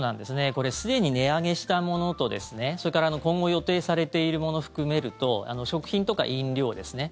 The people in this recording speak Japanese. これ、すでに値上げしたものとそれから今後予定されているもの含めると食品とか飲料ですね。